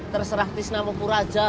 terserah tisnamu puraja